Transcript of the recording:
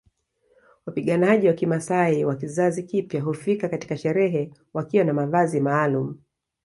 Wapiganaji wa kimaasai wa kizazi kipya hufika katika sherehe wakiwa na mavazi maalumu